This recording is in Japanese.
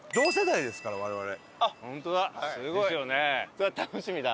そりゃ楽しみだ。